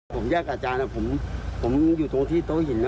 ผมแยกกับอาจารย์ผมอยู่ตรงที่โต๊ะหินนะ